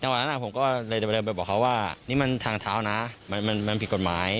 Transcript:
เวลานั้นเขาเลยไปรบบอกว่านี่มันทางเท้าครับมันผิดกฎหมาย